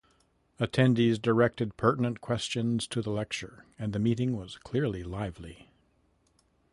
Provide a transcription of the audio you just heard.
Attendees directed pertinent questions to the lecture and the meeting was clearly lively.